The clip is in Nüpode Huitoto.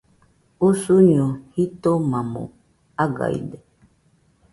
Usuño jitomamo agaide.